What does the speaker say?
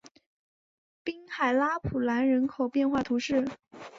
滨海拉普兰人口变化图示